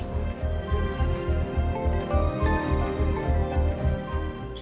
waktu dia masuk ke kantor polisi